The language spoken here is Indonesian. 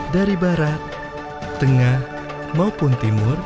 dari barat tengah maupun timur